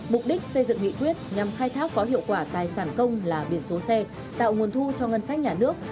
mục đích xây dựng nghị quyết nhằm khai thác có hiệu quả tài sản công là biển số xe tạo nguồn thu cho ngân sách nhà nước